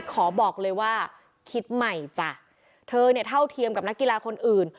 ขอบอกเลยว่าคิดใหม่จ้ะเธอเนี่ยเท่าเทียมกับนักกีฬาคนอื่น